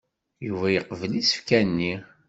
Yuba yeqbel isefka-nni.